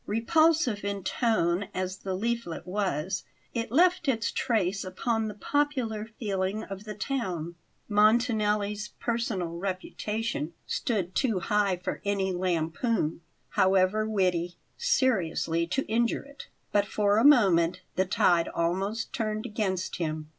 Repulsive in tone as the leaflet was, it left its trace upon the popular feeling of the town. Montanelli's personal reputation stood too high for any lampoon, however witty, seriously to injure it, but for a moment the tide almost turned against him.